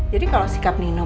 jadi kalau sikap nino